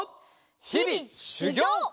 ひびしゅぎょう！